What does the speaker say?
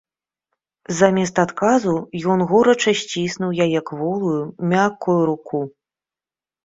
Замест адказу ён горача сціснуў яе кволую, мяккую руку.